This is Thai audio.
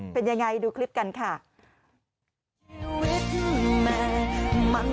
เป็นยังไงดูคลิปกันค่ะ